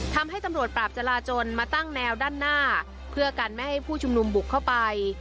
ทำให้ตำรวจปราบจราจนมาตั้งแนวด้านหน้าเพื่อกันไม่ให้ผู้ชุมนุมบุกเข้าไป